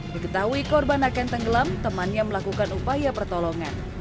diketahui korban akan tenggelam temannya melakukan upaya pertolongan